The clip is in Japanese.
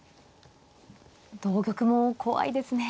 同玉も怖いですね。